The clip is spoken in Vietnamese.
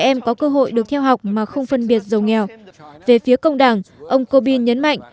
các em có cơ hội được theo học mà không phân biệt giàu nghèo về phía công đảng ông corbyn nhấn mạnh